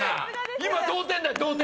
今同点だよ同点！